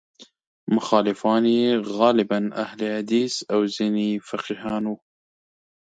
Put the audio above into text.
مخالفان یې غالباً اهل حدیث او ځینې فقیهان وو.